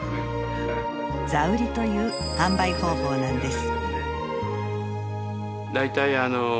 座売りという販売方法なんです。